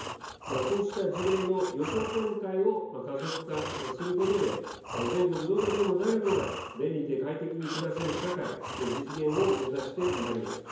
こうした事例の横展開を加速化することで、全国どこでも誰もが便利で快適に暮らせる社会の実現を目指してまいります。